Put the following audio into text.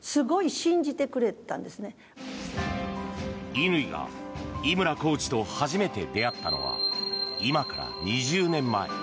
乾が井村コーチと初めて出会ったのは今から２０年前。